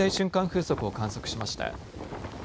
風速を観測しました。